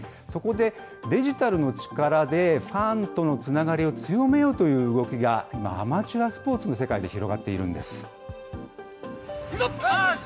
そこで、デジタルの力でファンとのつながりを強めようという動きが今、アマチュアスポーツの世界で広がっているんです。